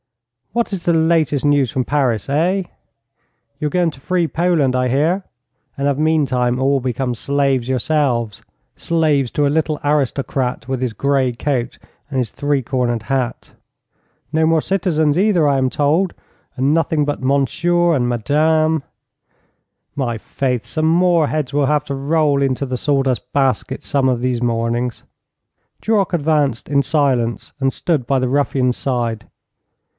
'What is the latest news from Paris, eh? You're going to free Poland, I hear, and have meantime all become slaves yourselves slaves to a little aristocrat with his grey coat and his three cornered hat. No more citizens either, I am told, and nothing but monsieur and madame. My faith, some more heads will have to roll into the sawdust basket some of these mornings.' Duroc advanced in silence, and stood by the ruffian's side.